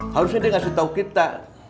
harusnya dia ngasih tau kita